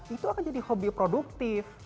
itu akan jadi hobi produktif